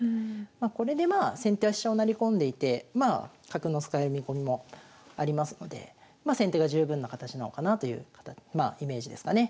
まこれでまあ先手は飛車を成り込んでいて角の使う見込みもありますのでま先手が十分な形なのかなというまあイメージですかね。